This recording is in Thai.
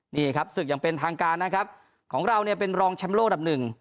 นี่ครับศึกอย่างเป็นทางการนะครับของเราเนี่ยเป็นรองแชมป์โลกอันดับหนึ่ง